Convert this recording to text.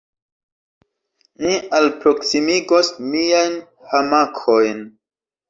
Ni alproksimigos niajn hamakojn.